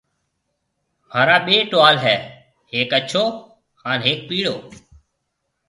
مهارا ٻي ٽوال هيَ هڪ اڇهو هانَ هڪ پِيڙو